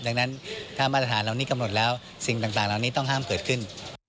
ดังนั้นถ้ามาตรฐานเหล่านี้กำหนดแล้วสิ่งต่างเหล่านี้ต้องห้ามเกิดขึ้น